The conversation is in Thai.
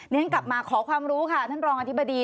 ฉันกลับมาขอความรู้ค่ะท่านรองอธิบดี